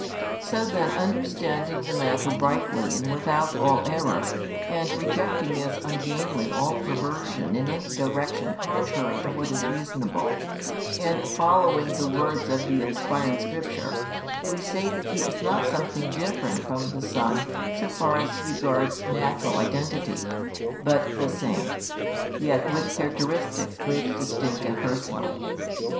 So then, understanding the matter rightly and without all error, and rejecting as ungainly all perversion in any direction contrary to what is reasonable, and following the words of the inspired Scripture, we say that He is not something different from the Son so far as regards natural identity, but the same; yet with characteristics both distinct and personal.